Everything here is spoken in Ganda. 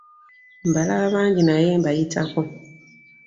Mbalaba bangi naye mbayitako.